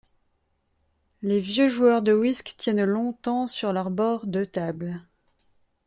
Les vieux joueurs de wisk tiennent long-temps… sur leur bord… de table.